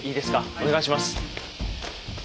お願いします。